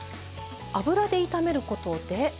油で炒めることで。